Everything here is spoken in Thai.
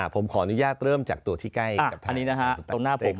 ผมขออนุญาตเริ่มจากตัวที่ใกล้กับท่านนี้นะฮะตรงหน้าผม